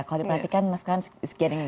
kalau diperhatikan sekarang segini